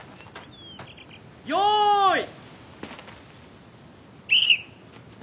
よい。